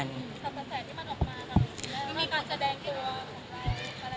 สังเกตที่มันออกมาแล้วมีการแสดงตัวอะไร